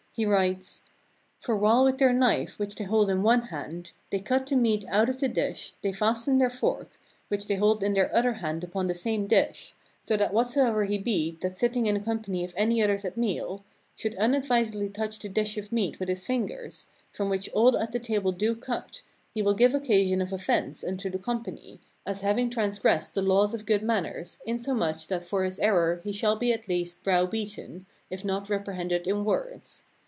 He writes : "For while with their knife which they hold in one hand "they cut the meat out of the dish, they fasten their fork, "which they hold in their other hand upon the same dish, so "that whatsoever he be that sitting in the company of any "others at meal, should unadvisedly touch the dish of meat "with his fingers, from which all at the table do cut, he will "give occasion of offence unto the company, as having trans gressed the laws of good manners, in so much that for his "error he shall be at the least brow beaten, if not repre "hended in words.